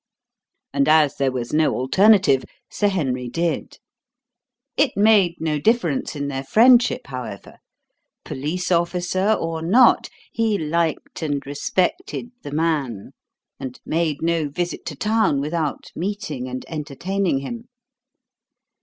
And as there was no alternative, Sir Henry did. It made no difference in their friendship, however. Police officer or not, he liked and he respected the man, and made no visit to town without meeting and entertaining him.